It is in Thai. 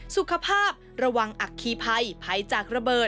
สุขภาพระวังอัคคีไพไพจากระเบิด